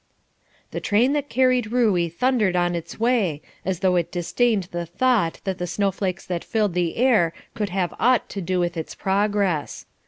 The train that carried Ruey thundered on its way, as though it disdained the thought that the snowflakes that filled the air could have aught to do with its progress.